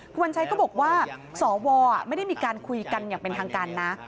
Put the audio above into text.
คุณวัญชัยก็บอกว่าสวไม่ได้มีการคุยกันอย่างเป็นทางการนะ